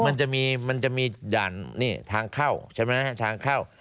มันจะมีมันจะมีด่านนี่ทางเข้าใช่ไหมฮะทางเข้า